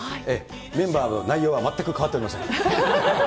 メンバーも内容も全く変わっておりません。